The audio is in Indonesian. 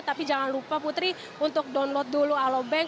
tapi jangan lupa putri untuk download dulu alobank